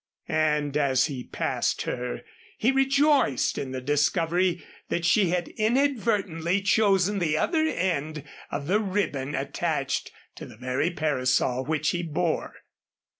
And as he passed her, he rejoiced in the discovery that she had inadvertently chosen the other end of the ribbon attached to the very parasol which he bore.